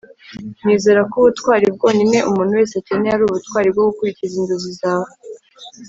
"nizera ko ubutwari bwonyine umuntu wese akeneye ari ubutwari bwo gukurikiza inzozi zawe."